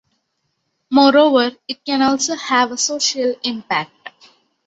Moreover, it can also have a social impact.